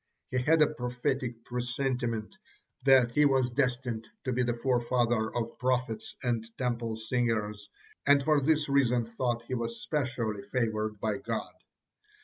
He had a prophetic presentiment that he was destined to be the forefather of prophets and Temple singers, and for this reason thought he was specially favored by God.